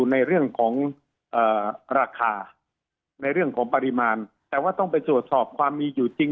ในเรื่องของราคาในเรื่องของปริมาณแต่ว่าต้องไปตรวจสอบความมีอยู่จริง